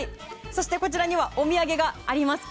そしてこちらにはお土産があります。